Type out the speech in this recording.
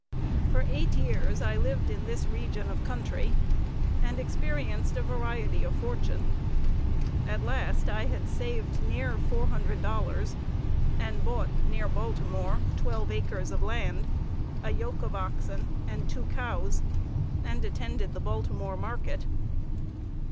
For eight years, I lived in this region of country and experienced a variety of fortune. At last I had saved near $400, and bought near Baltimore twelve acres of land, a yoke of oxen, and two cows, and attended the Baltimore market.